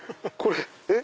えっ？